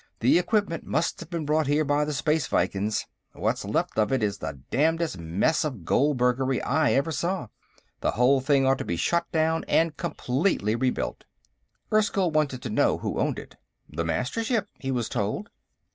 The equipment must have been brought here by the Space Vikings. What's left of it is the damnedest mess of goldbergery I ever saw. The whole thing ought to be shut down and completely rebuilt." Erskyll wanted to know who owned it. The Mastership, he was told.